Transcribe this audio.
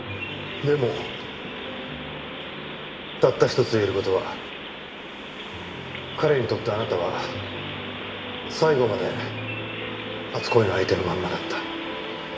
でもたった一つ言える事は彼にとってあなたは最後まで初恋の相手のままだった。